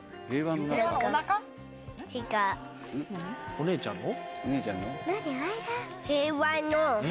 お姉ちゃんの？